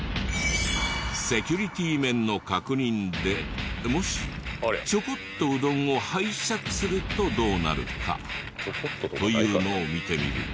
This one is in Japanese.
セキュリティー面の確認でもしちょこっとうどんを拝借するとどうなるかというのを見てみると。